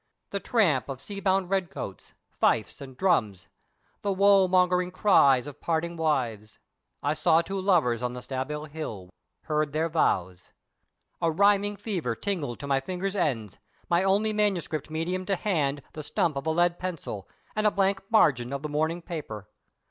The tramp of sea bound red coats, fifes and drums, the woe mongering cries of parting wives. I saw two lovers on the Staball hill, heard their vows. A rhyming fever tingled to my fingers' ends, my only manuscript medium to hand, the stump of a lead pencil, and blank margin of the morning paper.